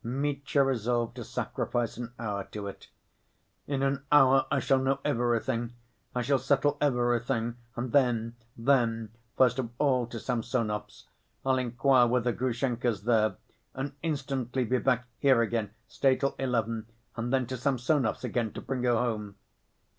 Mitya resolved to sacrifice an hour to it: "In an hour I shall know everything, I shall settle everything, and then, then, first of all to Samsonov's. I'll inquire whether Grushenka's there and instantly be back here again, stay till eleven, and then to Samsonov's again to bring her home."